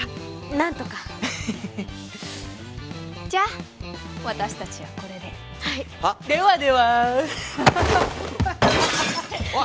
何とかじゃあ私たちはこれではいは？ではではおい！